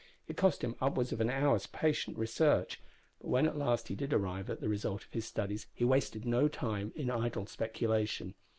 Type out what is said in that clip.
It cost him upwards of an hour's patient research; but when at last he did arrive at the result of his studies he wasted no time in idle speculation.